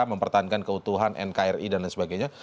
mempertahankan keutuhan nkri dan lain sebagainya